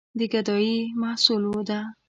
د ګدايي محصول ده.